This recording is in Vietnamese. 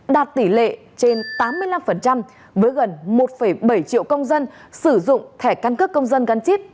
đạt tỷ lệ trên tám mươi năm với gần một bảy triệu công dân sử dụng thẻ căn cước công dân gắn chip